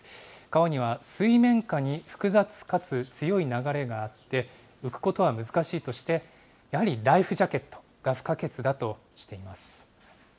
川には水面下に複雑かつ強い流れがあって、浮くことは難しいとして、やはりライフジャケットが不可欠だとしています。